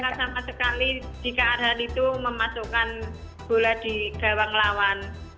tidak sama sekali jika arhan itu memasukkan bola di gawang lawan